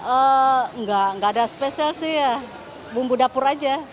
enggak ada spesial sih ya bumbu dapur aja